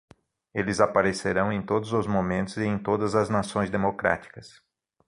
Eles aparecerão em todos os momentos e em todas as nações democráticas.